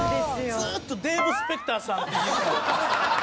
ずっとデーブ・スペクターさんって言いそうになった。